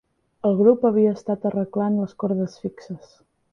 El grup havia estat arreglant les cordes fixes.